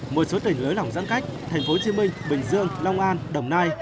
một số tỉnh lưới lỏng giãn cách thành phố hồ chí minh bình dương long an đồng nai